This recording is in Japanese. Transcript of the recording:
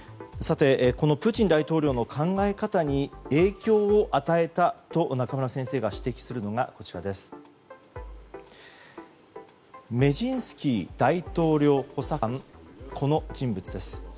プーチン大統領の考え方に影響を与えたと中村先生が指摘するのがメジンスキー大統領補佐官この人物です。